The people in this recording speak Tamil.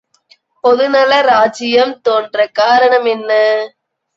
பொதுநல ராஜ்ஜியம் தோன்றக் காரணம் என்ன!